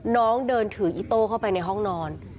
น้องเดินถืออิโต้เข้าไปในห้องนอน